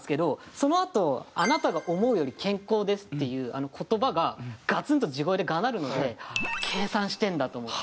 そのあと「あなたが思うより健康です」っていう言葉がガツンと地声でがなるので計算してるんだと思って。